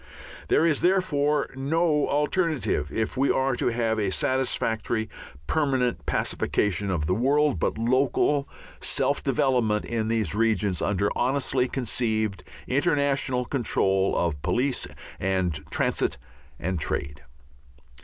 There is, therefore, no alternative, if we are to have a satisfactory permanent pacification of the world, but local self development in these regions under honestly conceived international control of police and transit and trade.